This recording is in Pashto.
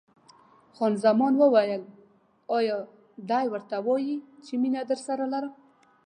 خان زمان وویل: ایا دی ورته وایي چې مینه درسره لرم؟